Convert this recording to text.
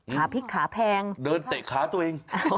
พลิกขาแพงเดินเตะขาตัวเอง